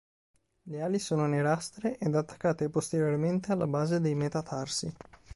Le ali sono nerastre ed attaccate posteriormente alla base dei metatarsi.